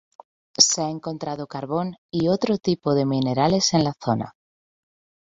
Se ha encontrado carbón y otro tipo de minerales en la zona.